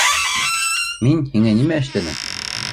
— Мин һиңә нимә эшләнем?